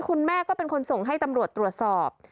คุณแม่ก็เป็นคนส่งให้ตำรวจตรวจสอบ